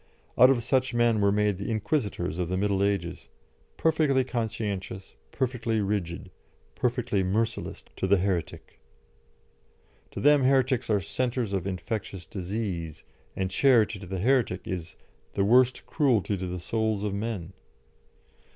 Out of such men were made the Inquisitors of the Middle Ages, perfectly conscientious, perfectly rigid, perfectly merciless to the heretic. To them heretics are centres of infectious disease, and charity to the heretic is "the worst cruelty to the souls of men."